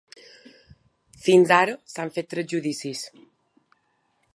Fins ara, s’han fet tres judicis.